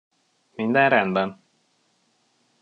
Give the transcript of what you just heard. Minden rendben?